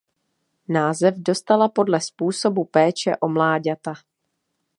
Název dostala podle způsobu péče o mláďata.